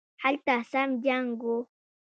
هلته سم جنګ وو